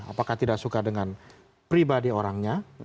apakah tidak suka dengan pribadi orangnya